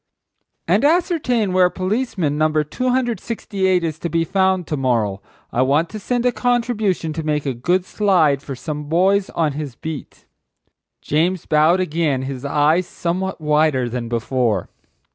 "And ascertain where policeman, No. 268, is to be found to morrow. I want to send a contribution to make a good slide for some boys on his beat." James bowed again, his eyes somewhat wider than before.